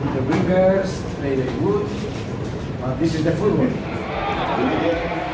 tapi ini adalah sebuah bola